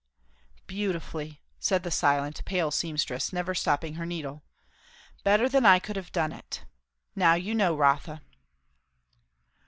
"Beautifully," said the silent, pale seamstress, never stopping her needle. "Better than I could have done it. Now you know, Rotha."